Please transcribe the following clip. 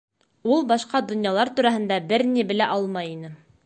Ул башҡа донъялар тураһында бер ни белә алмай ине.